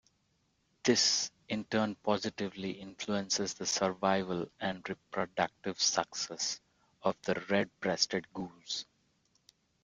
This in turn positively influences the survival and reproductive success of the red-breasted goose.